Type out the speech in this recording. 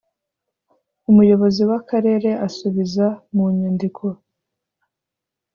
umuyobozi w’akarere asubiza mu nyandiko